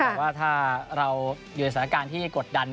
บอกว่าถ้าเราอยู่ในสถานการณ์ที่กดดัน